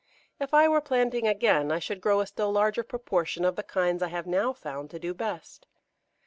If I were planting again I should grow a still larger proportion of the kinds I have now found to do best.